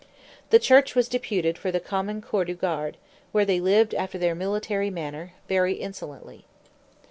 The church was deputed for the common corps du guard, where they lived after their military manner, very insolently.